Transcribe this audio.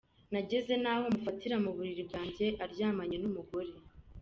Nageze naho mufatira mu buriri bwanjye aryamanye n’umugore.